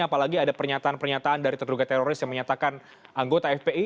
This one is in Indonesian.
apalagi ada pernyataan pernyataan dari terduga teroris yang menyatakan anggota fpi